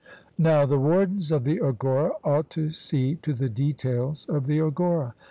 Now the wardens of the agora ought to see to the details of the agora.